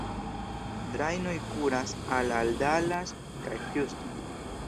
Trajnoj kuras al al Dallas kaj Houston.